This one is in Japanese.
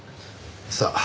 さあ。